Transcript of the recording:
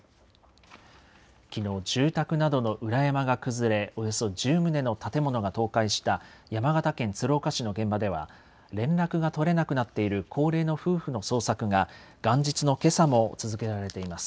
きのう、住宅などの裏山が崩れ、およそ１０棟の建物が倒壊した、山形県鶴岡市の現場では、連絡が取れなくなっている高齢の夫婦の捜索が、元日のけさも続けられています。